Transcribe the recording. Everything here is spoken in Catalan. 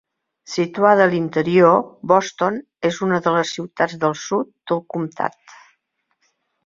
Situada a l'interior, Boston és una de les "ciutats del sud" del comtat.